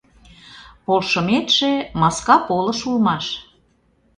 Полшыметше маска полыш улмаш.